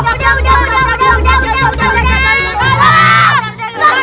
santri kau berhenti